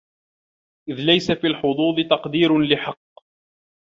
إذْ لَيْسَ فِي الْحُظُوظِ تَقْدِيرٌ لِحَقٍّ